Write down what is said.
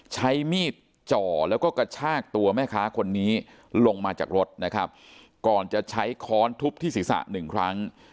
ใช้มีดจ่อแล้วก็กระชากตัวแม่ค้าคนนี้ลงมาจากรถนะครับก่อนจะใช้ค้อนทุบที่ศีรษะหนึ่งครั้ง